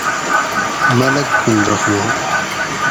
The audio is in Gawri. ملک گل رحمان